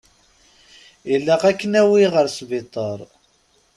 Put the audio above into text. Ilaq ad k-nawi ɣer sbiṭar.